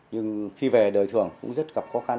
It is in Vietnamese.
nhưng khi về đời thường cũng rất gặp khó khăn